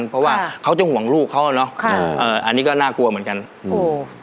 เพราะว่าเขาจะห่วงลูกเขาอ่ะเนอะค่ะเอ่ออันนี้ก็น่ากลัวเหมือนกันโอ้โห